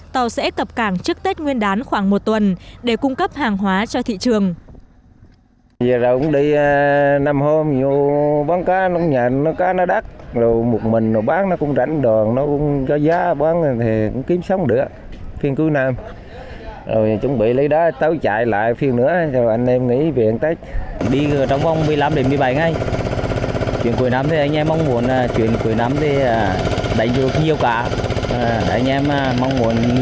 tàu sẽ cập cảng trước tết nguyên đán khoảng một tuần để cung cấp hàng hóa cho thị trường